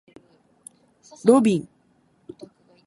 ロビン